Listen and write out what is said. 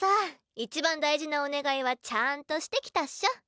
一番大事なお願いはちゃんとしてきたっしょ。